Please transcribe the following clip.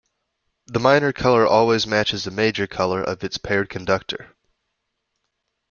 The minor color always matches the major color of its paired conductor.